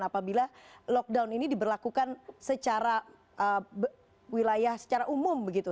apabila lockdown ini diberlakukan secara wilayah secara umum begitu